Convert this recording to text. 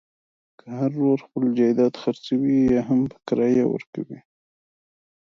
که هر ورور خپل جایداد خرڅوي یاهم په کرایه ورکوي.